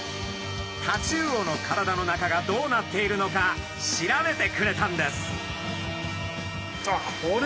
タチウオの体の中がどうなっているのか調べてくれたんです。